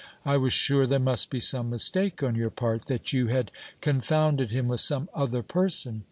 I was sure there must be some mistake on your part, that you had confounded him with some other person.